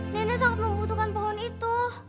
nenek sangat membutuhkan pohon itu